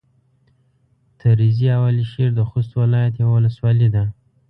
تريزي او على شېر د خوست ولايت يوه ولسوالي ده.